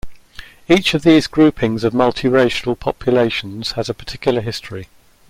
Each of these groupings of multiracial populations has a particular history.